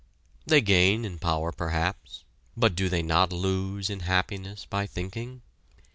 They gain in power perhaps, but do they not lose in happiness by thinking?